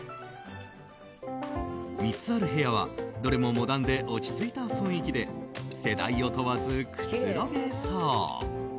３つある部屋は、どれもモダンで落ち着いた雰囲気で世代を問わずくつろげそう。